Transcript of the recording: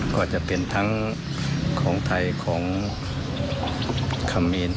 ก็จะเป็นทั้งของไทยของเขมีน